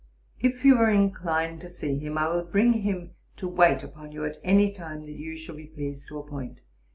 If you are inclined to see him, I will bring him to wait on you, at any time that you shall be pleased to appoint.